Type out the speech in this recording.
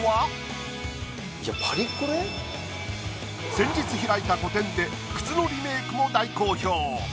先日開いた個展で靴のリメイクも大好評。